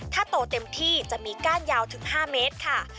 ถ้าโตเต็มที่จะมีก้านยาวถึง๕เมตรค่ะ